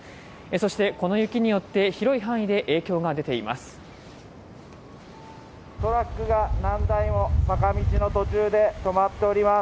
そしてこの雪によって広い範囲で影響が出ています。